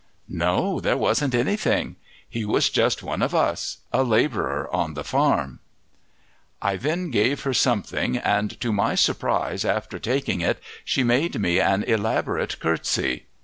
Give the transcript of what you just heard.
"No, there wasn't anything. He was just one of us, a labourer on the farm." I then gave her something, and to my surprise after taking it she made me an elaborate curtsy.